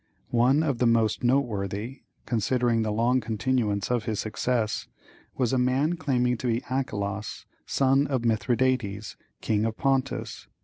One of the most noteworthy, considering the long continuance of his success, was a man claiming to be Achelaus, son of Mithridates, King of Pontus.